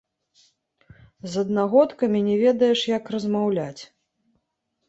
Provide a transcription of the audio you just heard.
З аднагодкамі не ведаеш, як размаўляць.